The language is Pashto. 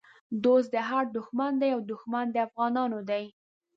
دوست د هر دښمن دی او دښمن د افغانانو دی